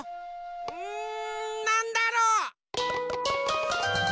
うんなんだろう。